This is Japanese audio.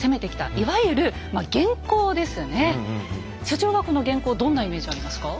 所長はこの元寇どんなイメージありますか？